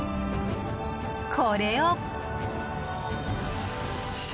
これを。